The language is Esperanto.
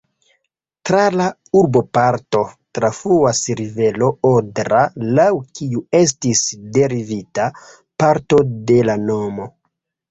Tra la urboparto trafluas rivero Odra, laŭ kiu estis derivita parto de la nomo.